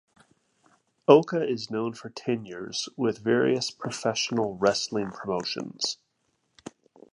Ohka is known for tenures with various professional wrestling promotions.